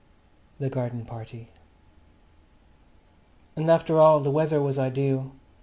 The Garden Party And after all the weather was ideal.